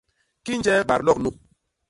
Kinje badlok nu!